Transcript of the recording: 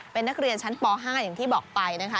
เป็นนักเรียนชั้นป๕อย่างที่บอกไปนะคะ